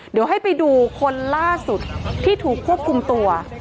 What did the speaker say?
เดี๋ยวให้ไปดูคนล่าสุดที่ถูกควบคุมตัว